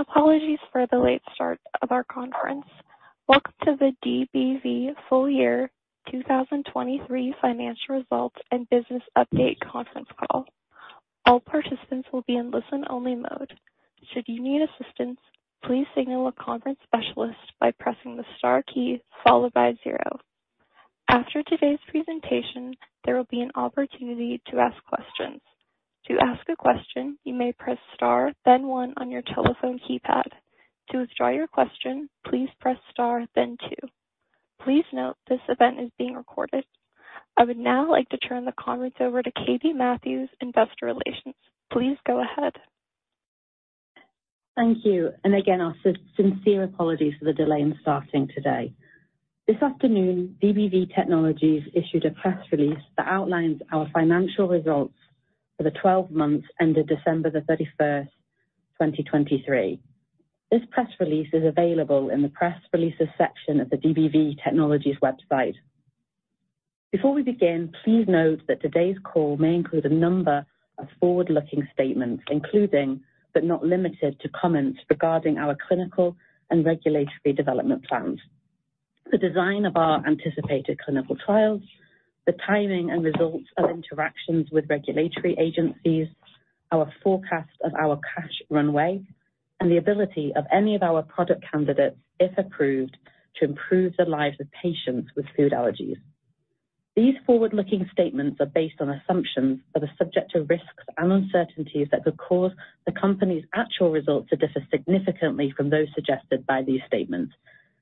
Apologies for the late start of our conference. Welcome to the DBV full year 2023 financial results and business update conference call. All participants will be in listen-only mode. Should you need assistance, please signal a conference specialist by pressing the star key followed by zero. After today's presentation, there will be an opportunity to ask questions. To ask a question, you may press star, then one on your telephone keypad. To withdraw your question, please press star, then two. Please note, this event is being recorded. I would now like to turn the conference over to Katie Matthews, Investor Relations. Please go ahead. Thank you, and again, our sincere apologies for the delay in starting today. This afternoon, DBV Technologies issued a press release that outlines our financial results for the 12 months ended December 31, 2023. This press release is available in the press releases section of the DBV Technologies website. Before we begin, please note that today's call may include a number of forward-looking statements, including, but not limited to, comments regarding our clinical and regulatory development plans, the design of our anticipated clinical trials, the timing and results of interactions with regulatory agencies, our forecast of our cash runway, and the ability of any of our product candidates, if approved, to improve the lives of patients with food allergies. These forward-looking statements are based on assumptions that are subject to risks and uncertainties that could cause the company's actual results to differ significantly from those suggested by these statements.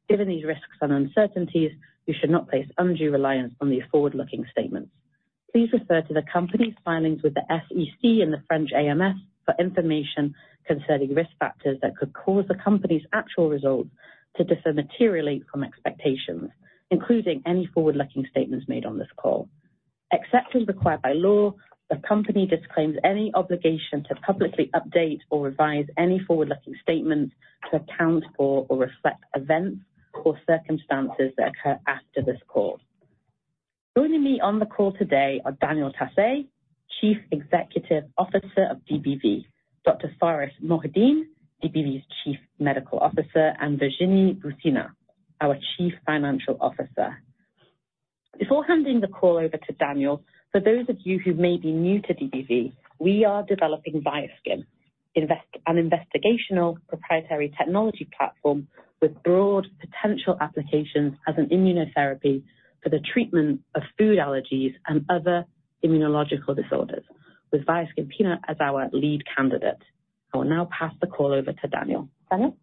Given these risks and uncertainties, you should not place undue reliance on these forward-looking statements. Please refer to the company's filings with the SEC and the French AMF for information concerning risk factors that could cause the company's actual results to differ materially from expectations, including any forward-looking statements made on this call. Except as required by law, the company disclaims any obligation to publicly update or revise any forward-looking statements to account for or reflect events or circumstances that occur after this call. Joining me on the call today are Daniel Tassé, Chief Executive Officer of DBV, Dr. Pharis Mohideen, DBV's Chief Medical Officer, and Virginie Boucinha, our Chief Financial Officer. Before handing the call over to Daniel, for those of you who may be new to DBV, we are developing Viaskin, an investigational proprietary technology platform with broad potential applications as an immunotherapy for the treatment of food allergies and other immunological disorders, with Viaskin Peanut as our lead candidate. I will now pass the call over to Daniel. Daniel?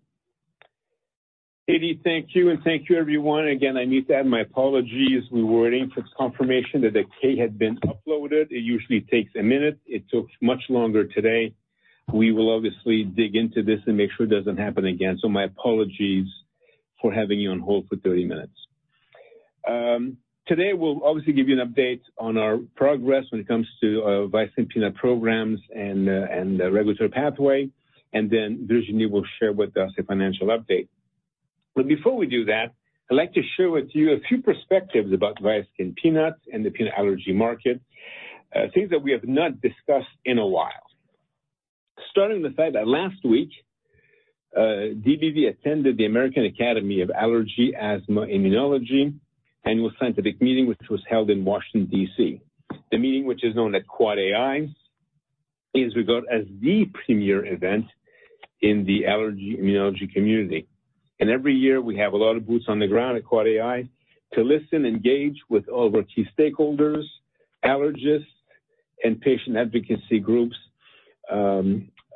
Katie, thank you, and thank you, everyone. Again, I need to add my apologies. We were waiting for confirmation that the K had been uploaded. It usually takes a minute. It took much longer today. We will obviously dig into this and make sure it doesn't happen again. So my apologies for having you on hold for 30 minutes. Today, we'll obviously give you an update on our progress when it comes to, Viaskin Peanut programs and, and the regulatory pathway, and then Virginie will share with us a financial update. But before we do that, I'd like to share with you a few perspectives about Viaskin Peanuts and the peanut allergy market, things that we have not discussed in a while. Starting with the fact that last week, DBV attended the American Academy of Allergy, Asthma & Immunology Annual Scientific Meeting, which was held in Washington, D.C. The meeting, which is known as Quad AI, is regarded as the premier event in the allergy immunology community. Every year, we have a lot of boots on the ground at Quad AI to listen, engage with all of our key stakeholders, allergists and patient advocacy groups,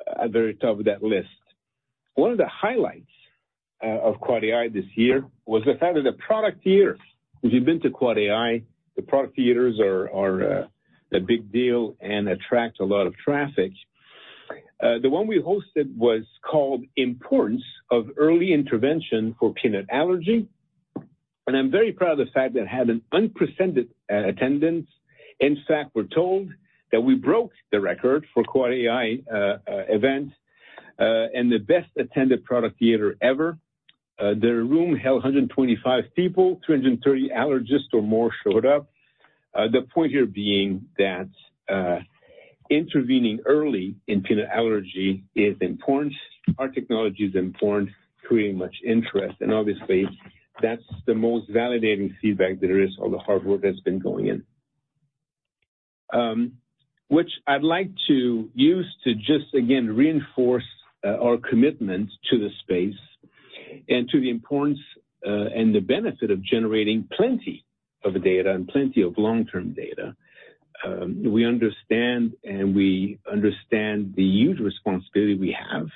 at the very top of that list. One of the highlights of Quad AI this year was the fact that the product theater. If you've been to Quad AI, the product theaters are a big deal and attract a lot of traffic. The one we hosted was called Importance of Early Intervention for Peanut Allergy, and I'm very proud of the fact that it had an unprecedented attendance. In fact, we're told that we broke the record for Quad AI event, and the best attended product theater ever. The room held 125 people. 230 allergists or more showed up. The point here being that, intervening early in peanut allergy is important. Our technology is important, creating much interest, and obviously, that's the most validating feedback there is all the hard work that's been going in. Which I'd like to use to just again, reinforce, our commitment to the space and to the importance, and the benefit of generating plenty of data and plenty of long-term data. We understand and we understand the huge responsibility we have,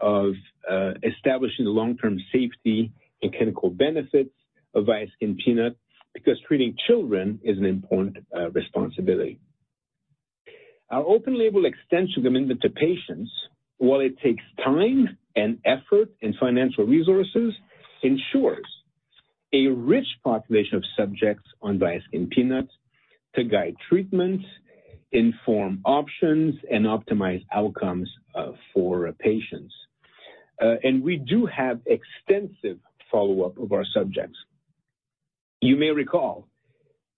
of, establishing the long-term safety and clinical benefits of Viaskin Peanut, because treating children is an important, responsibility. Our open-label extension commitment to patients, while it takes time and effort and financial resources, ensures a rich population of subjects on Viaskin Peanut to guide treatment, inform options, and optimize outcomes for patients. And we do have extensive follow-up of our subjects. You may recall,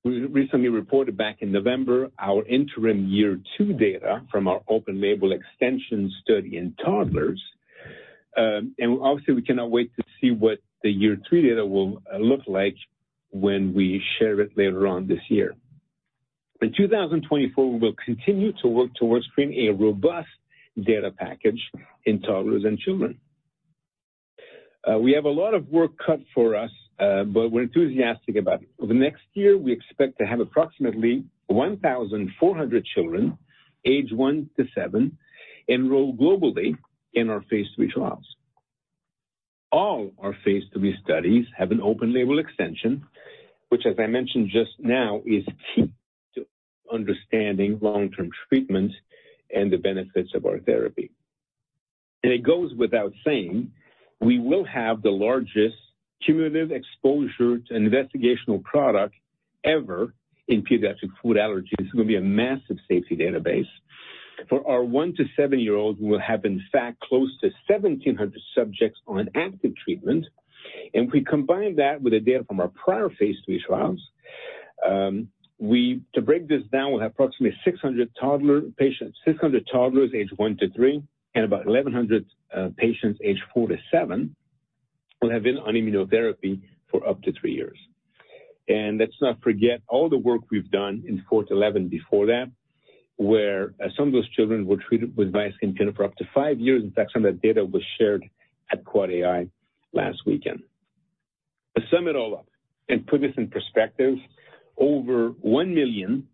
we recently reported back in November our interim year two data from our open-label extension study in toddlers. And obviously, we cannot wait to see what the year three data will look like when we share it later on this year. In 2024, we will continue to work towards creating a robust data package in toddlers and children. We have a lot of work cut for us, but we're enthusiastic about it. Over the next year, we expect to have approximately 1,400 children, age one to seven, enrolled globally in our phase III trials. All our phase III studies have an open label extension, which, as I mentioned just now, is key to understanding long-term treatment and the benefits of our therapy. It goes without saying, we will have the largest cumulative exposure to investigational product ever in pediatric food allergies. It's going to be a massive safety database. For our one- to seven-year-olds, we will have, in fact, close to 1,700 subjects on active treatment, and if we combine that with the data from our prior phase III trials, we—to break this down, we'll have approximately 600 toddler patients, 600 toddlers aged one to three, and about 1,100 patients aged four to seven, will have been on immunotherapy for up to three years. And let's not forget all the work we've done in four to 11 before that, where some of those children were treated with Viaskin Peanut for up to five years. In fact, some of that data was shared at Quad AI last weekend. To sum it all up and put this in perspective, over 1 million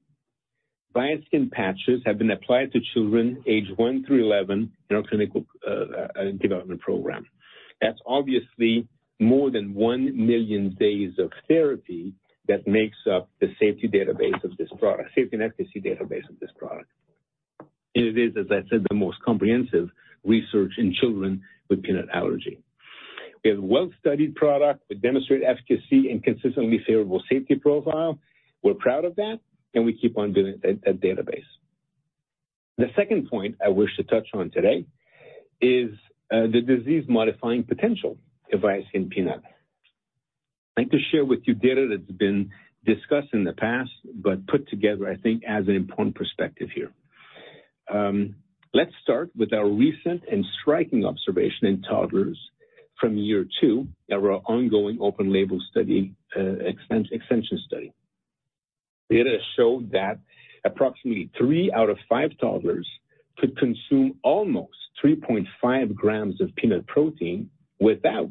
Viaskin patches have been applied to children aged one through 11 in our clinical development program. That's obviously more than 1 million days of therapy that makes up the safety database of this product, safety and efficacy database of this product. It is, as I said, the most comprehensive research in children with peanut allergy. We have a well-studied product with demonstrated efficacy and consistently favorable safety profile. We're proud of that, and we keep on building that database. The second point I wish to touch on today is the disease-modifying potential of Viaskin Peanut. I'd like to share with you data that's been discussed in the past, but put together, I think, as an important perspective here. Let's start with our recent and striking observation in toddlers from year two of our ongoing open label study, extension study. Data showed that approximately three out of five toddlers could consume almost 3.5 grams of peanut protein without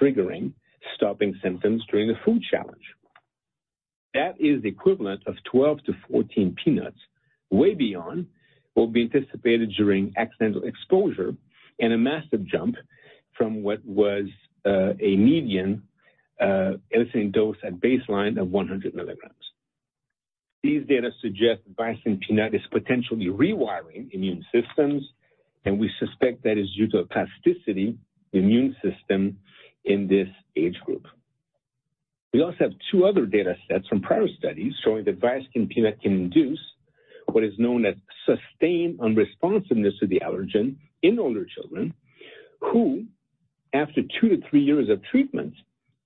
triggering stopping symptoms during the food challenge. That is the equivalent of 12-14 peanuts, way beyond what we anticipated during accidental exposure, and a massive jump from what was, a median, insane dose at baseline of 100 milligrams. These data suggest VIASKIN Peanut is potentially rewiring immune systems, and we suspect that is due to a plasticity immune system in this age group. We also have two other data sets from prior studies showing that VIASKIN Peanut can induce what is known as sustained unresponsiveness to the allergen in older children, who, after two-three years of treatment,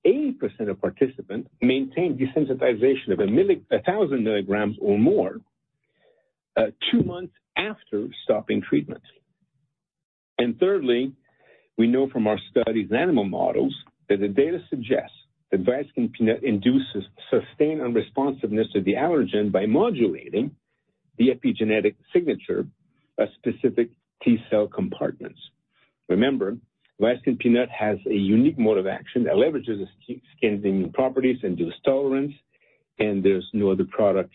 80% of participants maintained desensitization of a thousand milligrams or more, two months after stopping treatment. Thirdly, we know from our studies in animal models, that the data suggests that Viaskin Peanut induces sustained unresponsiveness to the allergen by modulating the epigenetic signature of specific T-cell compartments. Remember, Viaskin Peanut has a unique mode of action that leverages its skin thinning properties, induces tolerance, and there's no other product,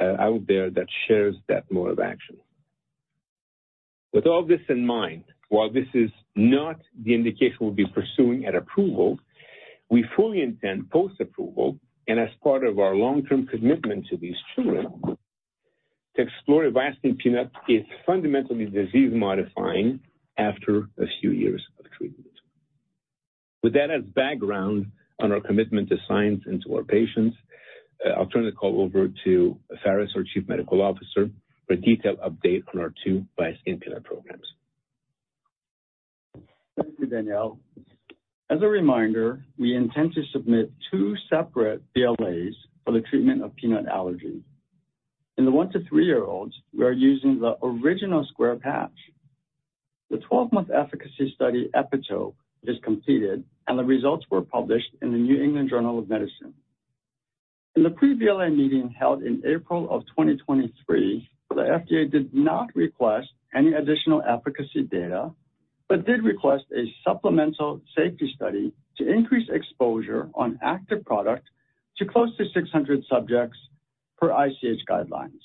out there that shares that mode of action. With all this in mind, while this is not the indication we'll be pursuing at approval, we fully intend post-approval, and as part of our long-term commitment to these children, to explore if Viaskin Peanut is fundamentally disease-modifying after a few years of treatment. With that as background on our commitment to science and to our patients, I'll turn the call over to Pharis, our Chief Medical Officer, for a detailed update on our two Viaskin Peanut programs. Thank you, Daniel. As a reminder, we intend to submit two separate BLAs for the treatment of peanut allergy. In the one-three-year-olds, we are using the original square patch. The 12-month efficacy study, EPITOPE, is completed, and the results were published in the New England Journal of Medicine. In the pre-BLA meeting held in April 2023, the FDA did not request any additional efficacy data, but did request a supplemental safety study to increase exposure on active product to close to 600 subjects per ICH guidelines.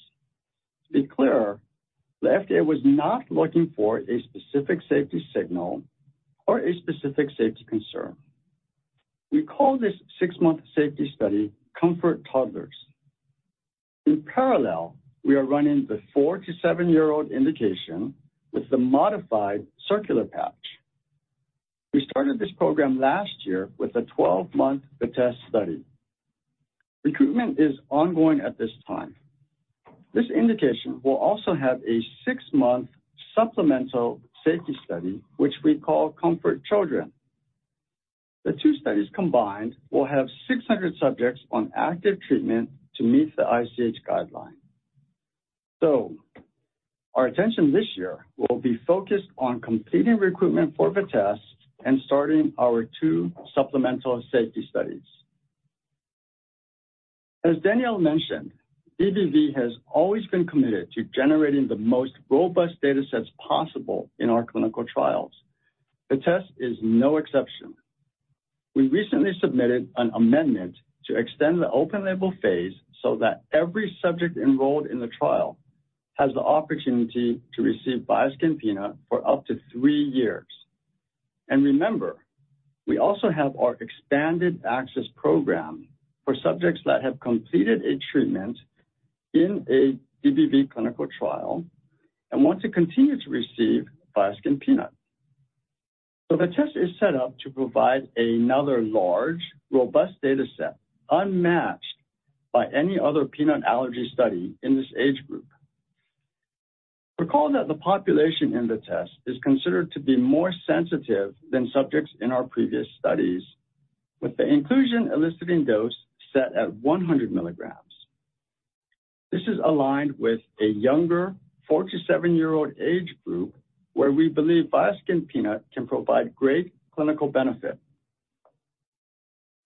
To be clear, the FDA was not looking for a specific safety signal or a specific safety concern. We call this six-month safety study COMFORT Toddlers. In parallel, we are running the four-seven-year-old indication with the modified circular patch. We started this program last year with a 12-month VITESSE study. Recruitment is ongoing at this time.... This indication will also have a six-month supplemental safety study, which we call COMFORT Children. The two studies combined will have 600 subjects on active treatment to meet the ICH guideline. So our attention this year will be focused on completing recruitment for VITESSE and starting our two supplemental safety studies. As Daniel mentioned, DBV has always been committed to generating the most robust data sets possible in our clinical trials. The VITESSE is no exception. We recently submitted an amendment to extend the open label phase so that every subject enrolled in the trial has the opportunity to receive Viaskin Peanut for up to three years. And remember, we also have our expanded access program for subjects that have completed a treatment in a DBV clinical trial and want to continue to receive Viaskin Peanut. VITESSE is set up to provide another large, robust data set, unmatched by any other peanut allergy study in this age group. Recall that the population in the test is considered to be more sensitive than subjects in our previous studies, with the inclusion eliciting dose set at 100 milligrams. This is aligned with a younger, four- to seven-year-old age group, where we believe VIASKIN Peanut can provide great clinical benefit.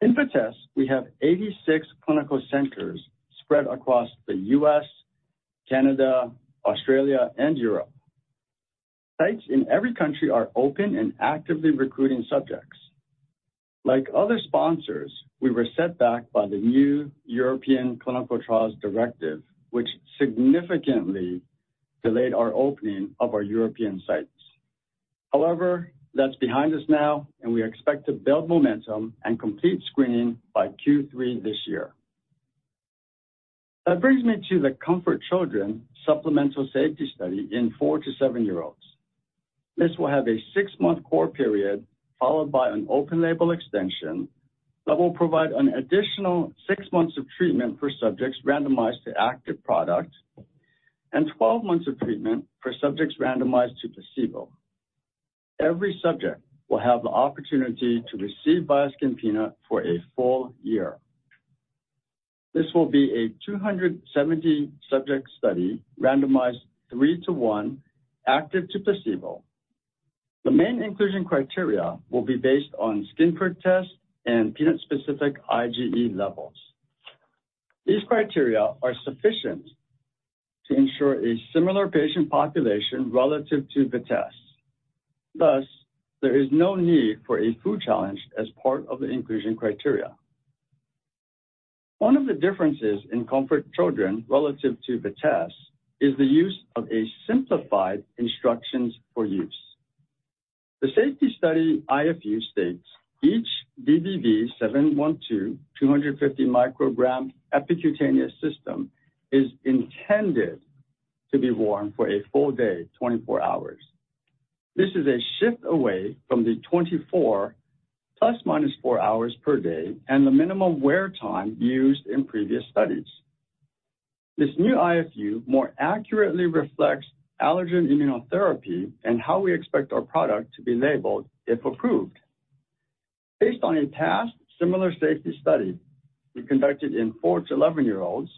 In VITESSE, we have 86 clinical centers spread across the U.S., Canada, Australia, and Europe. Sites in every country are open and actively recruiting subjects. Like other sponsors, we were set back by the new European Clinical Trials Directive, which significantly delayed our opening of our European sites. However, that's behind us now, and we expect to build momentum and complete screening by Q3 this year. That brings me to the COMFORT Children supplemental safety study in four- to seven-year-olds. This will have a six-month core period, followed by an open label extension that will provide an additional six months of treatment for subjects randomized to active product and 12 months of treatment for subjects randomized to placebo. Every subject will have the opportunity to receive Viaskin Peanut for a full year. This will be a 270-subject study, randomized three to one, active to placebo. The main inclusion criteria will be based on skin prick test and peanut-specific IgE levels. These criteria are sufficient to ensure a similar patient population relative to VITESSE, thus there is no need for a food challenge as part of the inclusion criteria. One of the differences in COMFORT Children relative to VITESSE is the use of a simplified instructions for use. The safety study IFU states, "Each DBV712 250 microgram epicutaneous system is intended to be worn for a full day, 24 hours." This is a shift away from the 24 ± four hours per day and the minimum wear time used in previous studies. This new IFU more accurately reflects allergen immunotherapy and how we expect our product to be labeled if approved. Based on a past similar safety study we conducted in four- to 11-year-olds,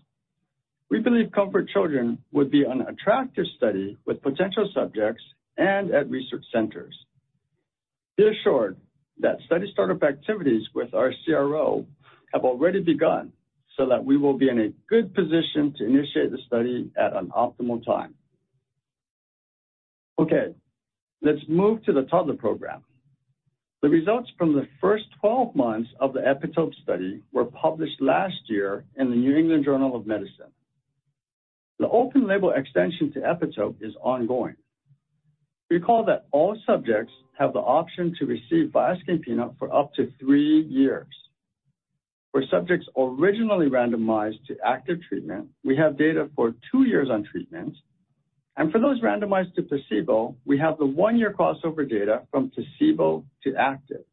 we believe COMFORT-Children would be an attractive study with potential subjects and at research centers. Be assured that study startup activities with our CRO have already begun, so that we will be in a good position to initiate the study at an optimal time. Okay, let's move to the toddler program. The results from the first 12 months of the EPITOPE study were published last year in the New England Journal of Medicine. The open label extension to EPITOPE is ongoing. Recall that all subjects have the option to receive Viaskin Peanut for up to three years. For subjects originally randomized to active treatment, we have data for two years on treatment, and for those randomized to placebo, we have the one-year crossover data from placebo to active.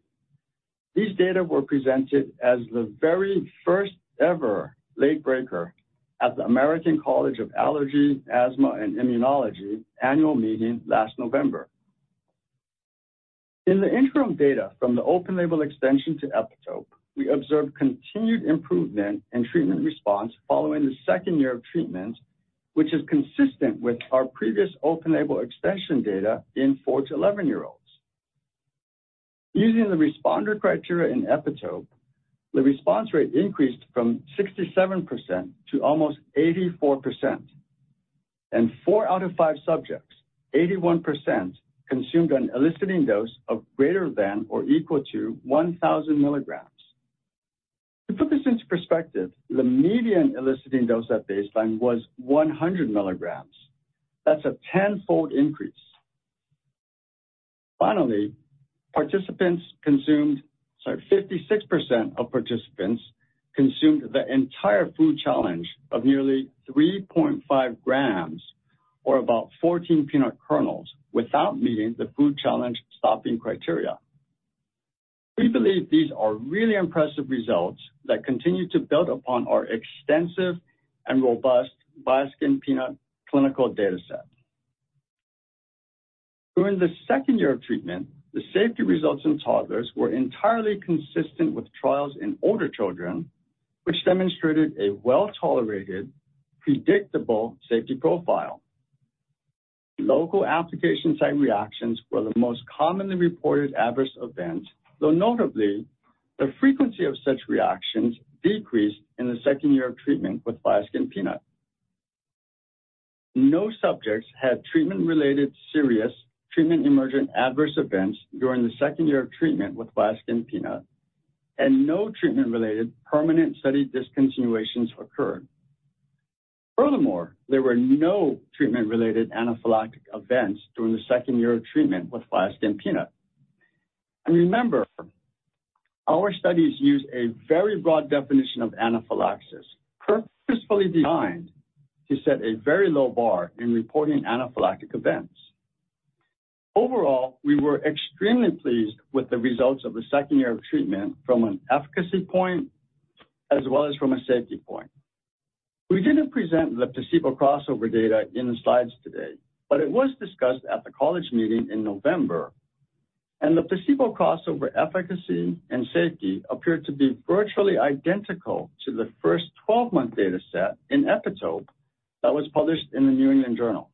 These data were presented as the very first ever late breaker at the American College of Allergy, Asthma, and Immunology annual meeting last November. In the interim data from the open label extension to EPITOPE, we observed continued improvement in treatment response following the second year of treatment, which is consistent with our previous open label extension data in four-11-year-olds. Using the responder criteria in EPITOPE, the response rate increased from 67% to almost 84%, and four out of five subjects, 81%, consumed an eliciting dose of greater than or equal to 1,000 milligrams. To put this into perspective, the median eliciting dose at baseline was 100 milligrams. That's a tenfold increase. Finally, participants consumed—sorry, 56% of participants consumed the entire food challenge of nearly 3.5 grams, or about 14 peanut kernels, without meeting the food challenge stopping criteria. We believe these are really impressive results that continue to build upon our extensive and robust VIASKIN Peanut clinical data set. During the second year of treatment, the safety results in toddlers were entirely consistent with trials in older children, which demonstrated a well-tolerated, predictable safety profile. Local application site reactions were the most commonly reported adverse events, though notably, the frequency of such reactions decreased in the second year of treatment with VIASKIN Peanut. No subjects had treatment-related serious treatment emergent adverse events during the second year of treatment with VIASKIN Peanut, and no treatment-related permanent study discontinuations occurred. Furthermore, there were no treatment-related anaphylactic events during the second year of treatment with VIASKIN Peanut. And remember, our studies use a very broad definition of anaphylaxis, purposefully designed to set a very low bar in reporting anaphylactic events. Overall, we were extremely pleased with the results of the second year of treatment from an efficacy point as well as from a safety point. We didn't present the placebo crossover data in the slides today, but it was discussed at the college meeting in November, and the placebo crossover efficacy and safety appeared to be virtually identical to the first 12-month data set in EPITOPE that was published in the New England Journal.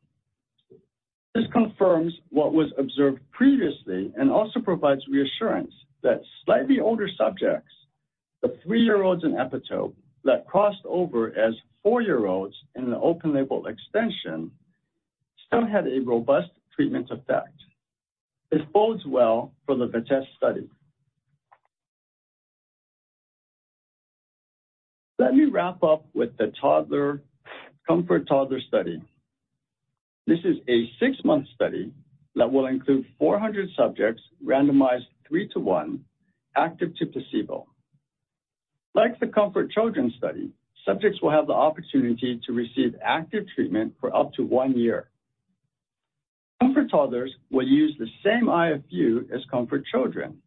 This confirms what was observed previously and also provides reassurance that slightly older subjects, the three-year-olds in EPITOPE, that crossed over as four-year-olds in an open label extension, still had a robust treatment effect. It bodes well for the VITESSE study. Let me wrap up with the toddler, COMFORT Toddlers study. This is a six-month study that will include 400 subjects, randomized three-to-one, active to placebo. Like the COMFORT Children study, subjects will have the opportunity to receive active treatment for up to one year. COMFORT Toddlers will use the same IFU as COMFORT Children,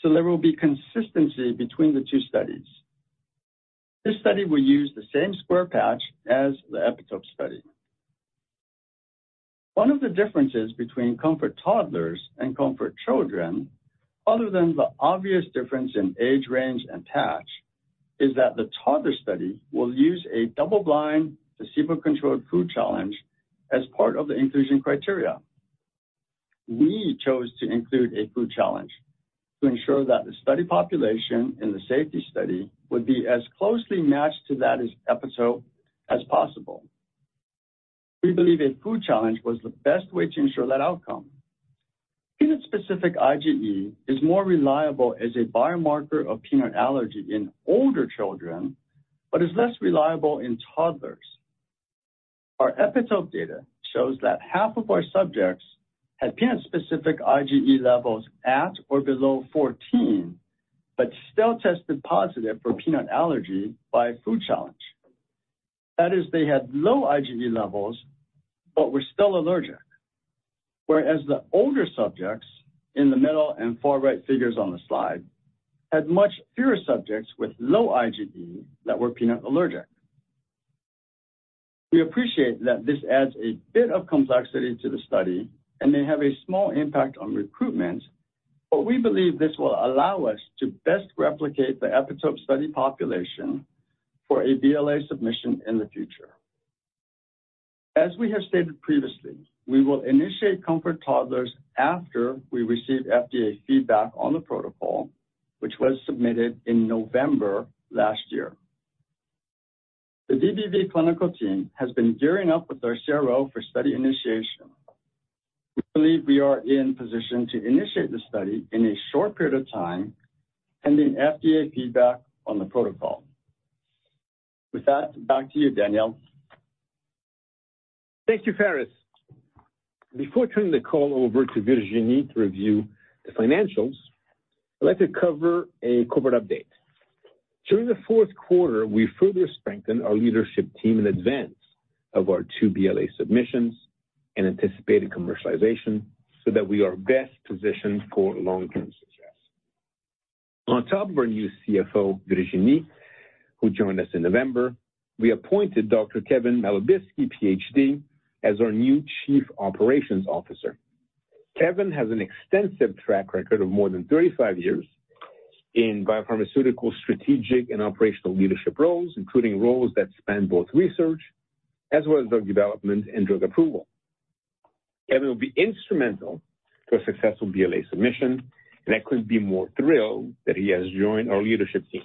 so there will be consistency between the two studies. This study will use the same square patch as the EPITOPE study. One of the differences between COMFORT Toddlers and COMFORT Children, other than the obvious difference in age range and patch, is that the toddler study will use a double-blind, placebo-controlled food challenge as part of the inclusion criteria. We chose to include a food challenge to ensure that the study population in the safety study would be as closely matched to that as EPITOPE as possible. We believe a food challenge was the best way to ensure that outcome. Peanut-specific IgE is more reliable as a biomarker of peanut allergy in older children, but is less reliable in toddlers. Our EPITOPE data shows that half of our subjects had peanut-specific IgE levels at or below 14, but still tested positive for peanut allergy by a food challenge. That is, they had low IgE levels but were still allergic, whereas the older subjects in the middle and far right figures on the slide, had much fewer subjects with low IgE that were peanut allergic. We appreciate that this adds a bit of complexity to the study and may have a small impact on recruitment, but we believe this will allow us to best replicate the EPITOPE study population for a BLA submission in the future. As we have stated previously, we will initiate COMFORT Toddlers after we receive FDA feedback on the protocol, which was submitted in November last year. The DBV clinical team has been gearing up with our CRO for study initiation. We believe we are in position to initiate the study in a short period of time, pending FDA feedback on the protocol. With that, back to you, Daniel. Thank you, Pharis. Before turning the call over to Virginie to review the financials, I'd like to cover a corporate update. During the fourth quarter, we further strengthened our leadership team in advance of our two BLA submissions and anticipated commercialization so that we are best positioned for long-term success. On top of our new CFO, Virginie, who joined us in November, we appointed Dr. Kevin Malobisky, PhD, as our new Chief Operations Officer. Kevin has an extensive track record of more than 35 years in biopharmaceutical, strategic, and operational leadership roles, including roles that span both research as well as drug development and drug approval. Kevin will be instrumental to a successful BLA submission, and I couldn't be more thrilled that he has joined our leadership team.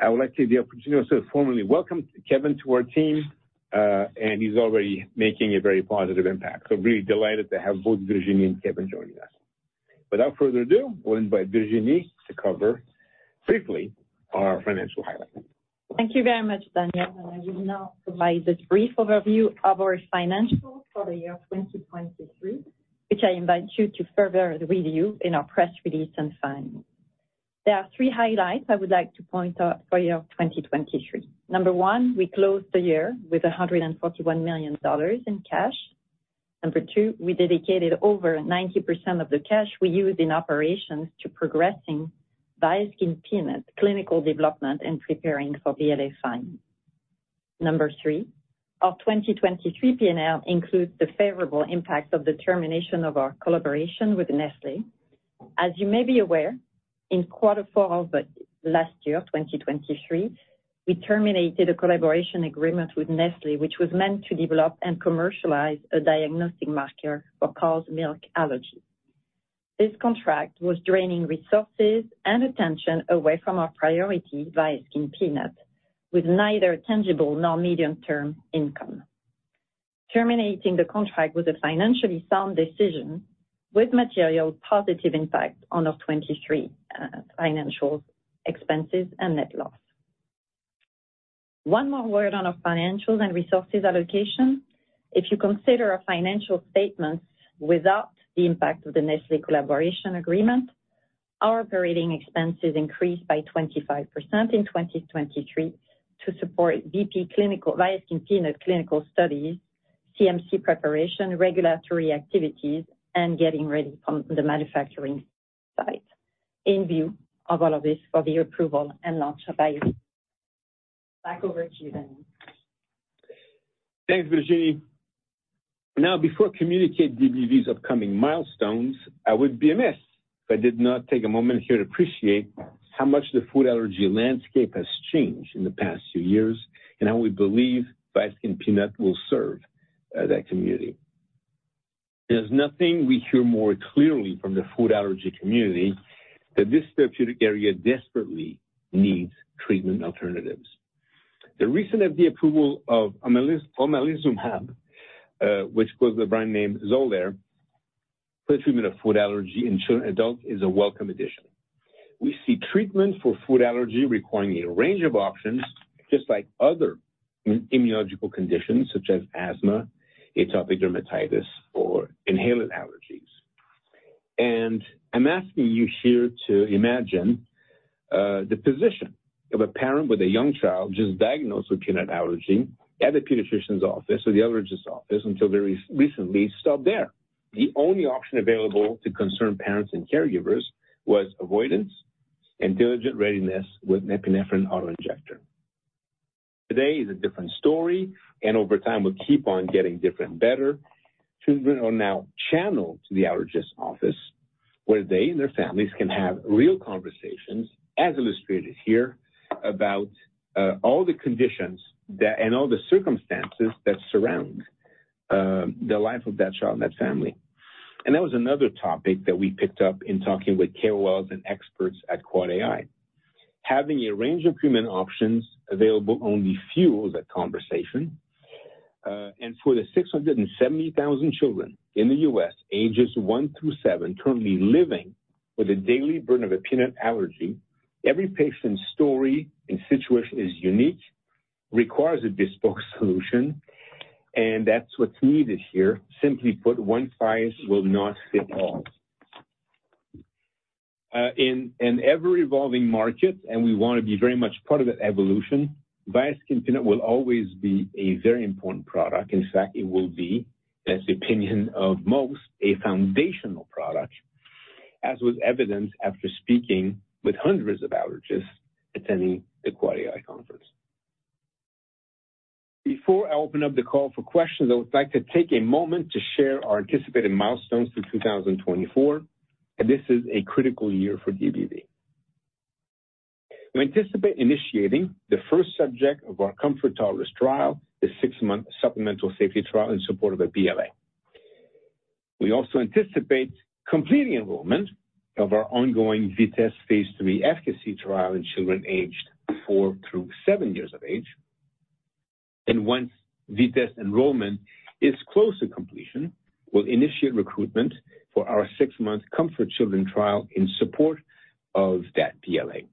I would like to take the opportunity to formally welcome Kevin to our team, and he's already making a very positive impact. So really delighted to have both Virginie and Kevin joining us. Without further ado, I will invite Virginie to cover briefly our financial highlights. Thank you very much, Daniel, and I will now provide a brief overview of our financials for the year 2023, which I invite you to further review in our press release and filings.... There are three highlights I would like to point out for year of 2023. Number one, we closed the year with $141 million in cash. Number two, we dedicated over 90% of the cash we used in operations to progressing VIASKIN Peanut clinical development and preparing for BLA filing. Number three, our 2023 P&L includes the favorable impact of the termination of our collaboration with Nestlé. As you may be aware, in Q4 of last year, 2023, we terminated a collaboration agreement with Nestlé, which was meant to develop and commercialize a diagnostic marker for cow's milk allergy. This contract was draining resources and attention away from our priority, VIASKIN Peanut, with neither tangible nor medium-term income. Terminating the contract was a financially sound decision with material positive impact on our 2023 financial expenses and net loss. One more word on our financials and resources allocation. If you consider our financial statements without the impact of the Nestlé collaboration agreement, our operating expenses increased by 25% in 2023 to support VIASKIN Peanut clinical studies, CMC preparation, regulatory activities, and getting ready on the manufacturing site in view of all of this for the approval and launch of VI. Back over to you, Danny. Thanks, Virginie. Now, before communicating DBV's upcoming milestones, I would be remiss if I did not take a moment here to appreciate how much the food allergy landscape has changed in the past few years, and how we believe VIASKIN Peanut will serve that community. There's nothing we hear more clearly from the food allergy community that this therapeutic area desperately needs treatment alternatives. The recent FDA approval of omalizumab, which goes by the brand name Xolair, for the treatment of food allergy in children and adults, is a welcome addition. We see treatment for food allergy requiring a range of options, just like other immunological conditions such as asthma, atopic dermatitis, or inhalant allergies. I'm asking you here to imagine the position of a parent with a young child just diagnosed with peanut allergy at a pediatrician's office or the allergist's office, until very recently stopped there. The only option available to concerned parents and caregivers was avoidance and diligent readiness with epinephrine auto-injector. Today is a different story, and over time will keep on getting different, better. Children are now channeled to the allergist's office, where they and their families can have real conversations, as illustrated here, about all the conditions that, and all the circumstances that surround the life of that child and that family. That was another topic that we picked up in talking with KOLs and experts at Quad AI. Having a range of treatment options available only fuels that conversation. And for the 670,000 children in the U.S., ages one through seven, currently living with the daily burden of a peanut allergy, every patient's story and situation is unique, requires a bespoke solution, and that's what's needed here. Simply put, one size will not fit all. In an ever-evolving market, and we want to be very much part of that evolution, VIASKIN Peanut will always be a very important product. In fact, it will be, that's the opinion of most, a foundational product, as was evidenced after speaking with hundreds of allergists attending the Quad AI conference. Before I open up the call for questions, I would like to take a moment to share our anticipated milestones for 2024, and this is a critical year for DBV. We anticipate initiating the first subject of our COMFORT Toddlers trial, a six-month supplemental safety trial in support of a BLA. We also anticipate completing enrollment of our ongoing VITESSE phase III efficacy trial in children aged four-seven years of age. And once VITESSE enrollment is close to completion, we'll initiate recruitment for our six-month COMFORT Children trial in support of that BLA.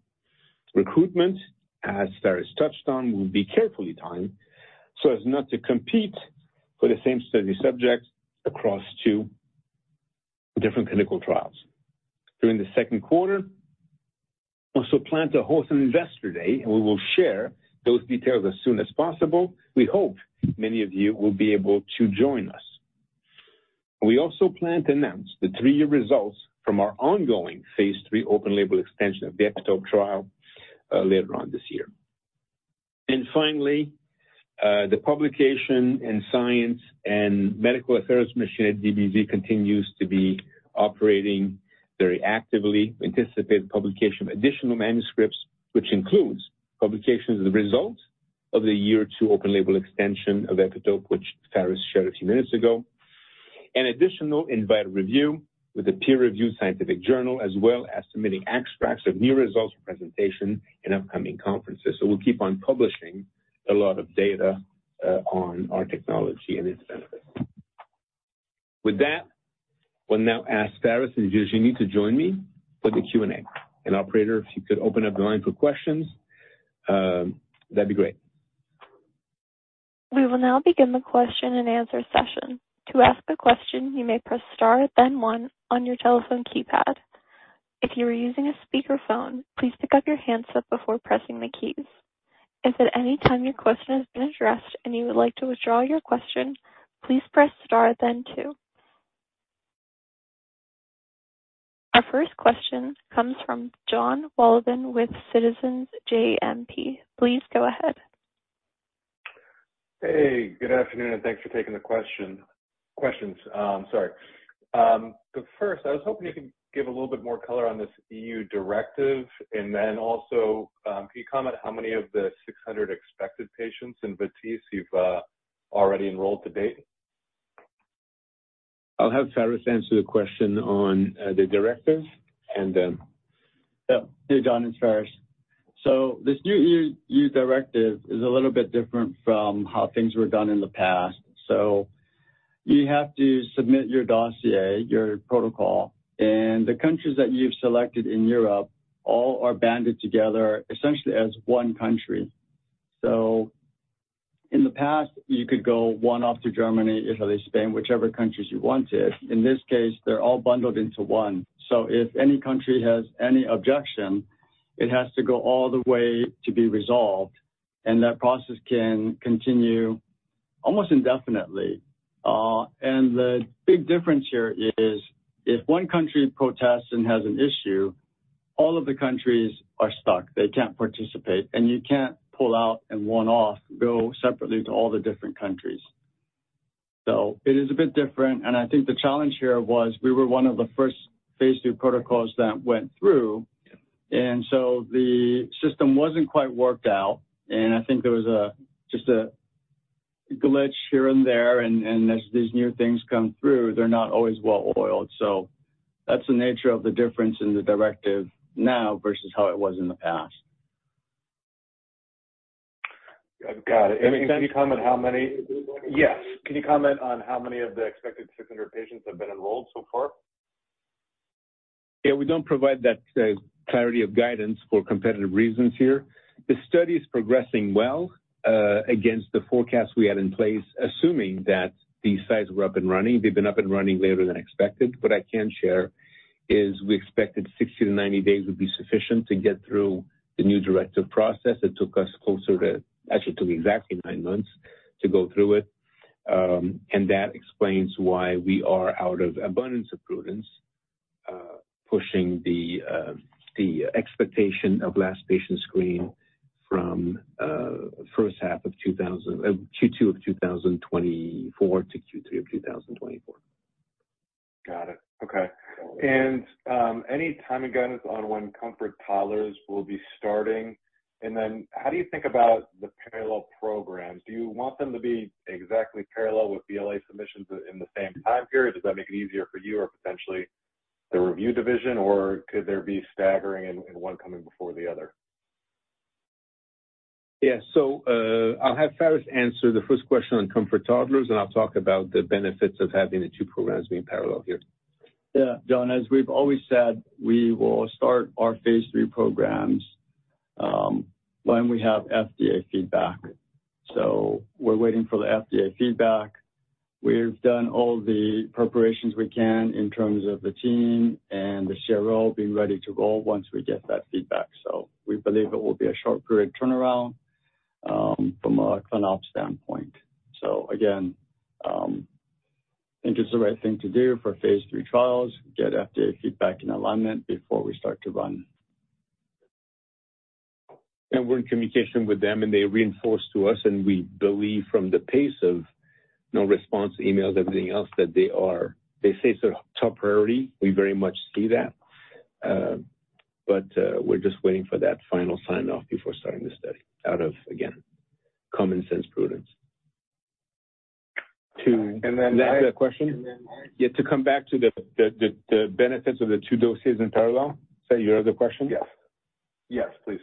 Recruitment, as Pharis touched on, will be carefully timed so as not to compete for the same study subjects across two different clinical trials. During the second quarter, also plan to host an Investor Day, and we will share those details as soon as possible. We hope many of you will be able to join us. We also plan to announce the three-year results from our ongoing phase III open label extension of the EPITOPE trial later on this year. And finally, the publication in science and medical affairs mission at DBV continues to be operating very actively. We anticipate publication of additional manuscripts, which includes publications of the results of the year two open label extension of EPITOPE, which Pharis shared a few minutes ago, an additional invited review with a peer-reviewed scientific journal, as well as submitting abstracts of new results for presentation in upcoming conferences. So we'll keep on publishing a lot of data on our technology and its benefits. With that, we'll now ask Pharis and Virginie to join me for the Q&A. And operator, if you could open up the line for questions, that'd be great. We will now begin the question-and-answer session. To ask a question, you may press star, then one on your telephone keypad. If you are using a speakerphone, please pick up your handset before pressing the keys. If at any time your question has been addressed and you would like to withdraw your question, please press star, then two. Our first question comes from John Walden with Citizens JMP. Please go ahead. Hey, good afternoon, and thanks for taking the question. Questions, sorry. The first, I was hoping you could give a little bit more color on this EU directive, and then also, can you comment how many of the 600 expected patients in VITESSE you've already enrolled to date? I'll have Pharis answer the question on the directive and then... Yeah. Hey, John, it's Pharis. So this new EU directive is a little bit different from how things were done in the past. So you have to submit your dossier, your protocol, and the countries that you've selected in Europe all are banded together essentially as one country. So in the past, you could go one off to Germany, Italy, Spain, whichever countries you wanted. In this case, they're all bundled into one. So if any country has any objection, it has to go all the way to be resolved, and that process can continue almost indefinitely. And the big difference here is if one country protests and has an issue, all of the countries are stuck. They can't participate, and you can't pull out and one-off go separately to all the different countries. So it is a bit different, and I think the challenge here was we were one of the first phase II protocols that went through, and so the system wasn't quite worked out. And I think there was a just a glitch here and there, and as these new things come through, they're not always well-oiled. So that's the nature of the difference in the directive now versus how it was in the past. I've got it. And then- Can you comment on how many of the expected 600 patients have been enrolled so far? Yeah, we don't provide that clarity of guidance for competitive reasons here. The study is progressing well against the forecast we had in place, assuming that the sites were up and running. They've been up and running later than expected. What I can share is we expected 60-90 days would be sufficient to get through the new directive process. It took us closer to... Actually, it took exactly nine months to go through it. And that explains why we are out of abundance of prudence, pushing the expectation of last patient screen from first half of 2024 Q2 of 2024 to Q3 of 2024. Got it. Okay. And, any timing guidance on when COMFORT Toddlers will be starting? And then how do you think about the parallel programs? Do you want them to be exactly parallel with BLA submissions in the same time period? Does that make it easier for you or potentially the review division, or could there be staggering and one coming before the other? Yeah. So, I'll have Pharis answer the first question on COMFORT Toddlers, and I'll talk about the benefits of having the two programs being parallel here. Yeah, John, as we've always said, we will start our phase III programs when we have FDA feedback. So we're waiting for the FDA feedback. We've done all the preparations we can in terms of the team and the CRO being ready to go once we get that feedback. So we believe it will be a short period turnaround from a clin ops standpoint. So again, I think it's the right thing to do for phase III trials, get FDA feedback and alignment before we start to run. We're in communication with them, and they reinforce to us, and we believe from the pace of no response, emails, everything else, that they are—they say it's their top priority. We very much see that, but we're just waiting for that final sign-off before starting the study out of, again, common sense prudence. To- And then- May I add a question? And then- Yeah, to come back to the benefits of the two doses in parallel. Sorry, you had other question? Yes. Yes, please.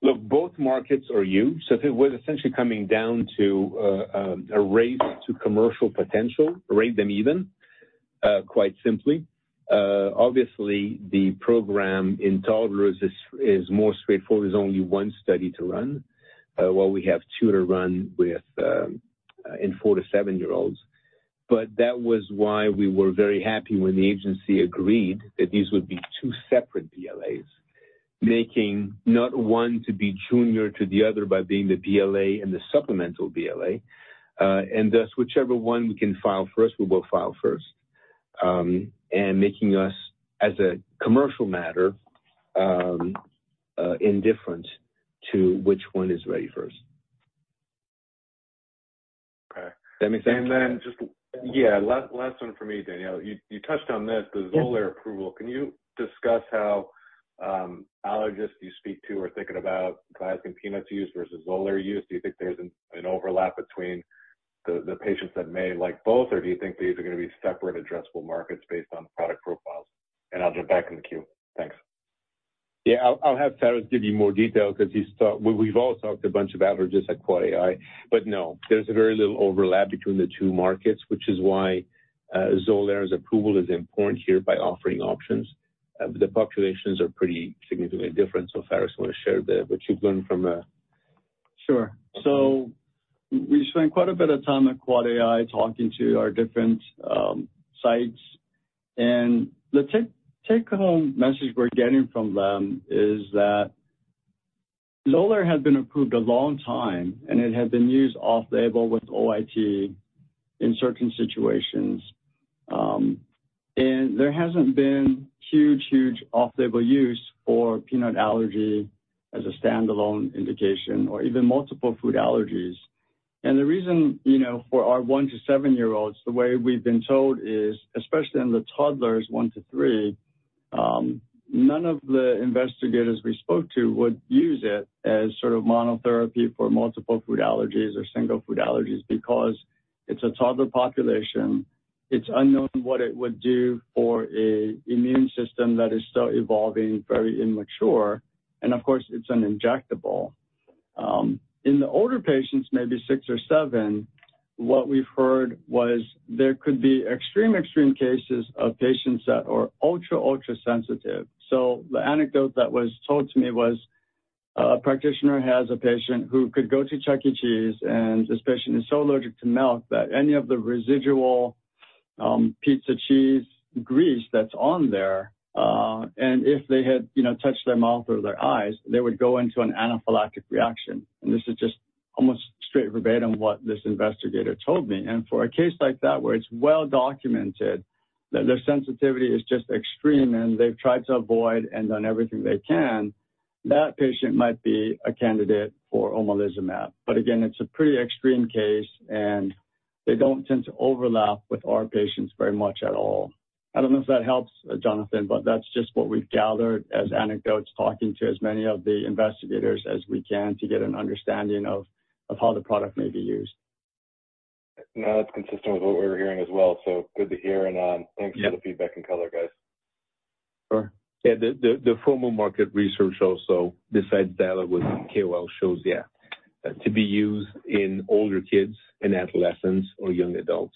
Yeah. Look, both markets are huge, so if it was essentially coming down to a race to commercial potential, rate them even, quite simply. Obviously, the program in toddlers is more straightforward. There's only one study to run, while we have two to run with in four-seven-year-olds. But that was why we were very happy when the agency agreed that these would be two separate BLAs, making not one to be junior to the other by being the BLA and the supplemental BLA. And thus, whichever one we can file first, we will file first, and making us, as a commercial matter, indifferent to which one is ready first. Okay. Does that make sense? And then just... Yeah, last one for me, Daniel. You, you touched on this, the Xolair approval. Yes. Can you discuss how allergists you speak to are thinking about Viaskin Peanut use versus Xolair use? Do you think there's an overlap between the patients that may like both, or do you think these are gonna be separate addressable markets based on product profiles? I'll jump back in the queue. Thanks. Yeah, I'll have Pharis give you more detail because he's ta-- we've all talked to a bunch of allergists at ACAAI, but no, there's very little overlap between the two markets, which is why Xolair's approval is important here by offering options. The populations are pretty significantly different, so Pharis want to share the, what you've learned from. Sure. So we spent quite a bit of time at Quad AI talking to our different sites. And the take-home message we're getting from them is that Xolair had been approved a long time, and it had been used off-label with OIT in certain situations. And there hasn't been huge, huge off-label use for peanut allergy as a standalone indication or even multiple food allergies. And the reason, you know, for our one to seven-year-olds, the way we've been told is, especially in the toddlers, one to three, none of the investigators we spoke to would use it as sort of monotherapy for multiple food allergies or single food allergies because it's a toddler population. It's unknown what it would do for a immune system that is still evolving, very immature, and of course, it's an injectable. In the older patients, maybe six or seven, what we've heard was there could be extreme, extreme cases of patients that are ultra, ultra sensitive. So the anecdote that was told to me was, a practitioner has a patient who could go to Chuck E. Cheese, and this patient is so allergic to milk that any of the residual, pizza cheese grease that's on there, and if they had, you know, touched their mouth or their eyes, they would go into an anaphylactic reaction. And this is just almost straight verbatim what this investigator told me. And for a case like that, where it's well documented that their sensitivity is just extreme and they've tried to avoid and done everything they can, that patient might be a candidate for omalizumab. But again, it's a pretty extreme case, and they don't tend to overlap with our patients very much at all. I don't know if that helps, Jonathan, but that's just what we've gathered as anecdotes, talking to as many of the investigators as we can to get an understanding of how the product may be used. No, that's consistent with what we're hearing as well, so good to hear, and, thanks for the feedback and color, guys. Sure. Yeah, the formal market research also, besides dialogue with KOL, shows, yeah, to be used in older kids and adolescents or young adults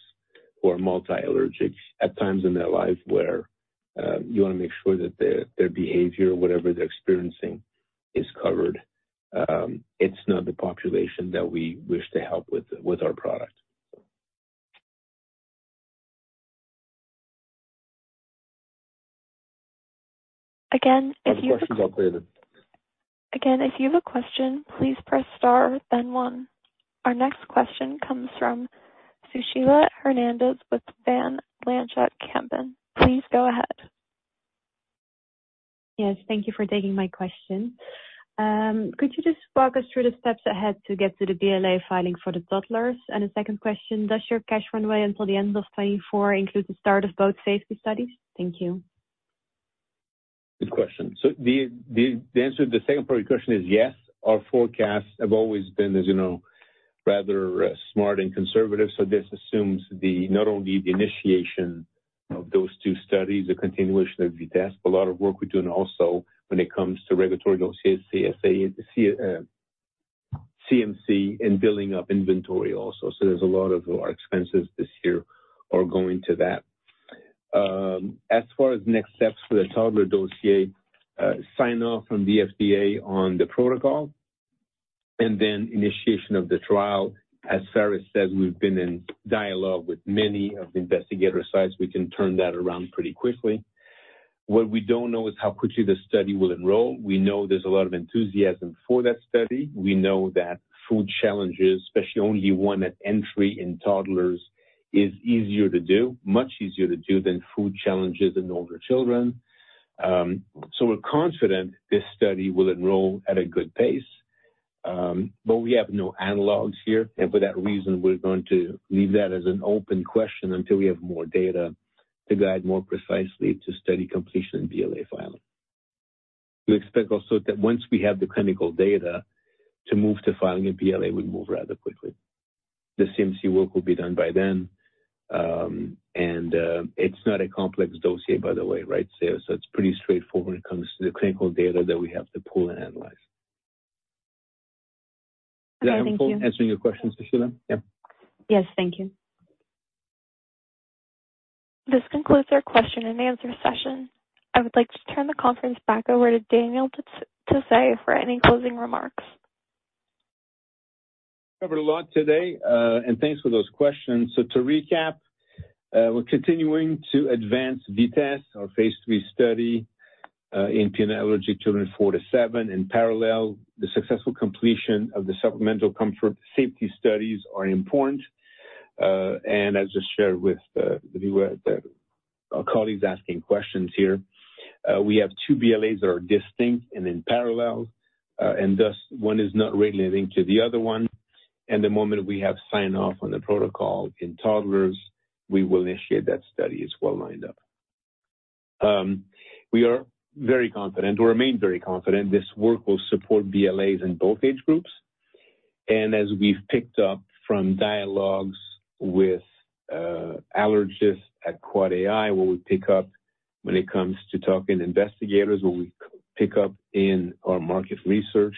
who are multi-allergic at times in their lives where you want to make sure that their behavior or whatever they're experiencing is covered. It's not the population that we wish to help with our product. Again, if you- Questions are clear. Again, if you have a question, please press Star, then One. Our next question comes from Sushila Hernandez with Van Lanschot Kempen. Please go ahead. Yes, thank you for taking my question. Could you just walk us through the steps ahead to get to the BLA filing for the toddlers? And the second question, does your cash runway until the end of 2024 include the start of both phase III studies? Thank you. Good question. So the answer to the second part of your question is yes. Our forecasts have always been, as you know, rather smart and conservative. So this assumes not only the initiation of those two studies, the continuation of the test, but a lot of work we're doing also when it comes to regulatory dossiers, CSA, CMC, and building up inventory also. So there's a lot of our expenses this year are going to that. As far as next steps for the toddler dossier, sign-off from the FDA on the protocol and then initiation of the trial. As Pharis said, we've been in dialogue with many of the investigator sites. We can turn that around pretty quickly. What we don't know is how quickly the study will enroll. We know there's a lot of enthusiasm for that study. We know that food challenges, especially only one at entry in toddlers, is easier to do, much easier to do than food challenges in older children. So we're confident this study will enroll at a good pace. But we have no analogues here, and for that reason, we're going to leave that as an open question until we have more data to guide more precisely to study completion and BLA filing. We expect also that once we have the clinical data to move to filing a BLA, we move rather quickly. The CMC work will be done by then, and it's not a complex dossier, by the way, right, so, so it's pretty straightforward when it comes to the clinical data that we have to pull and analyze. Thank you. Answering your questions, Sushila? Yeah. Yes, thank you. This concludes our question and answer session. I would like to turn the conference back over to Daniel Tassé for any closing remarks. Covered a lot today, and thanks for those questions. So to recap, we're continuing to advance VITESSE, our phase III study, in peanut allergy children four-seven. In parallel, the successful completion of the supplemental comfort safety studies are important. And as I just shared with our colleagues asking questions here, we have two BLAs that are distinct and in parallel, and thus one is not really linked to the other one. And the moment we have sign off on the protocol in toddlers, we will initiate that study. It's well lined up. We are very confident or remain very confident this work will support BLAs in both age groups. And as we've picked up from dialogues with allergists at Quad AI, what we pick up when it comes to talking investigators, what we pick up in our market research,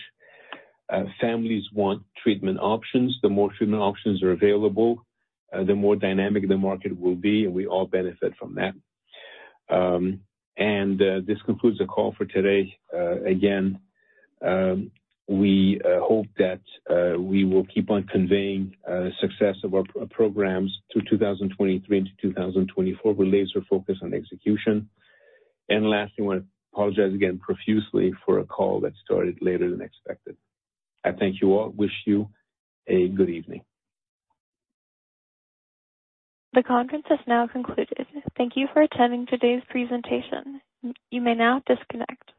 families want treatment options. The more treatment options are available, the more dynamic the market will be, and we all benefit from that. This concludes the call for today. Again, we hope that we will keep on conveying success of our programs to 2023 and to 2024 with laser focus on execution. Lastly, I want to apologize again profusely for a call that started later than expected. I thank you all. Wish you a good evening. The conference has now concluded. Thank you for attending today's presentation. You may now disconnect.